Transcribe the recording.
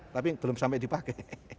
tapi belum sampai dipakai